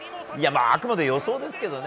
あくまで予想ですけどね。